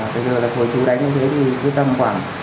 bây giờ là thôi chú đánh như thế thì cứ tầm khoảng